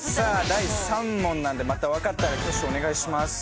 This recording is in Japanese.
第３問なんでまた分かったら挙手お願いします